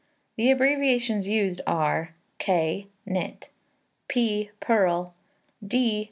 The abbreviations used are: K, knit; P, purl; D.